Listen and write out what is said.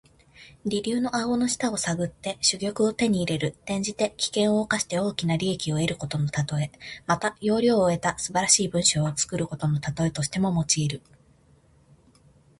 驪竜の顎の下を探って珠玉を手に入れる。転じて、危険を冒して大きな利益を得るたとえ。また、要領を得た素晴らしい文章を作ることのたとえとしても用いる。